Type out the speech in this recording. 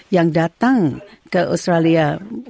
yang datang ke australia